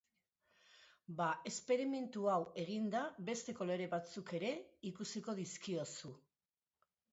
Ba esperimentu hau eginda beste kolore batzuk ere ikusiko dizkiozu.